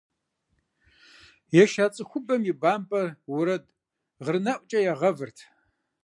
Еша цӀыхубэм я бампӀэр уэрэд гъырнэӀукӀэ ягъэвырт.